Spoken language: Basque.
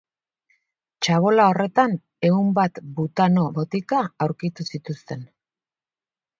Txabola horretan ehun bat butano-botika aurkitu zituzten.